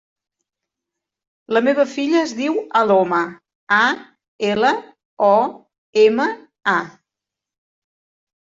La meva filla es diu Aloma: a, ela, o, ema, a.